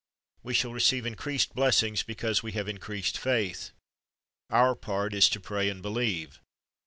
We shall receive increased blessings because we have increased faith. Our part is to pray and believe.